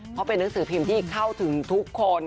เพราะเป็นหนังสือพิมพ์ที่เข้าถึงทุกคน